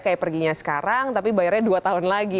kayak perginya sekarang tapi bayarnya dua tahun lagi